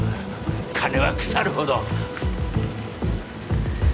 金は腐るほど